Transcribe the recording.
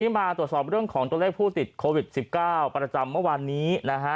มาตรวจสอบเรื่องของตัวเลขผู้ติดโควิด๑๙ประจำเมื่อวานนี้นะฮะ